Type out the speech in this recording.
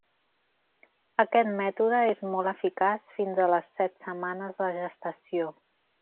Aquest mètode és molt eficaç fins a les set setmanes de gestació.